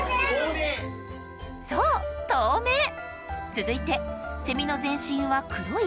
続いてセミの全身は黒い？